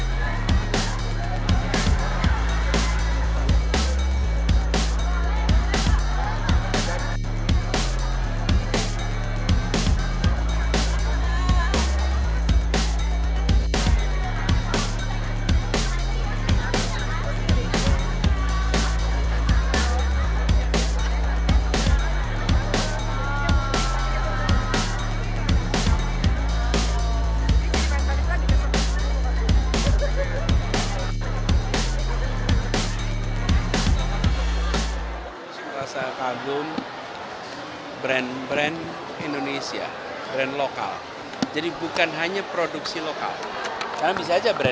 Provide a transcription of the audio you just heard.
jangan lupa like share dan subscribe ya